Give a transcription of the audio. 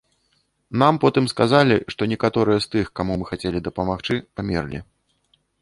Нам потым сказалі, што некаторыя з тых, каму мы хацелі дапамагчы, памерлі.